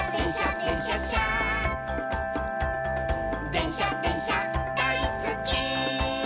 「でんしゃでんしゃだいすっき」